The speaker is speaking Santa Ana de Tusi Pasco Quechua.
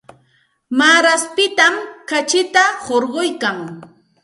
Maaraspitam kachita hurquyan.